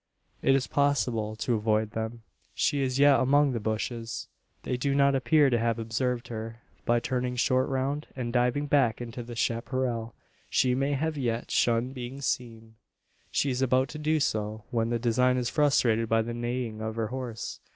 It is possible to avoid them. She is yet among the bushes. They do not appear to have observed her. By turning short round, and diving back into the chapparal, she may yet shun being seen. She is about to do so, when the design is frustrated by the neighing of her horse.